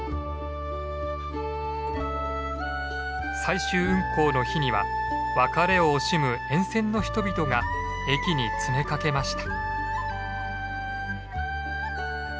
最終運行の日には別れを惜しむ沿線の人々が駅に詰めかけました。